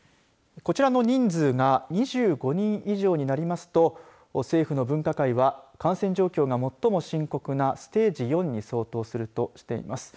こちらの人数が２５人以上になりますと政府の分科会は感染状況が最も深刻なステージ４に相当するとしています。